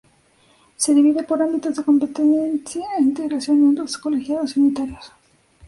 Se divide por ámbitos de competencia e integración en dos: Colegiados y Unitarios.